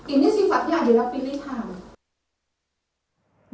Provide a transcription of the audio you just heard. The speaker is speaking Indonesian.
ini sifatnya adalah pilihan